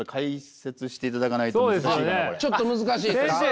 ちょっと難しいですか。